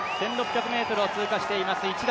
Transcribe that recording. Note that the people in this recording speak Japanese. １６００ｍを通過しています。